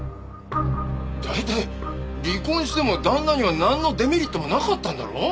大体離婚しても旦那にはなんのデメリットもなかったんだろ？